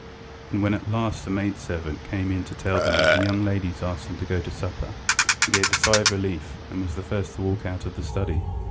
And when at last a maidservant came in to tell them that the young ladies asked them to go to supper, he gave a sigh of relief and was the first to walk out of the study.